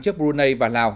trước brunei và lào